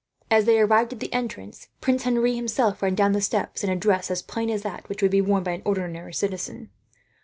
As they arrived at the entrance, Prince Henri himself ran down the steps, in a dress as plain as that which would be worn by an ordinary citizen.